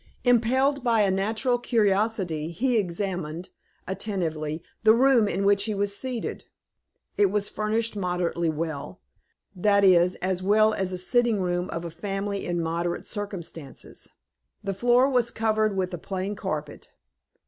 Impelled by a natural curiosity he examined, attentively, the room in which he was seated. It was furnished moderately well; that is, as well as the sitting room of a family in moderate circumstances. The floor was covered with a plain carpet.